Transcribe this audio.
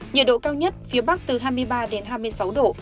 nhiệt độ cao nhất phía bắc từ hai mươi ba đến hai mươi sáu độ